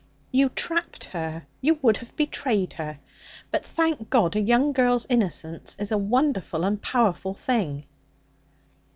'You trapped her; you would have betrayed her. But, thank God! a young girl's innocence is a wonderful and powerful thing.'